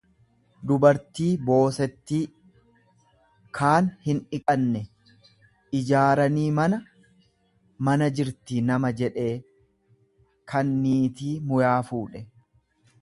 dubartii boosettii, kaan hindhiqanne; Ijaaranii mana, mana jirtii nama jedhe kan niitii muyaa fuudhe.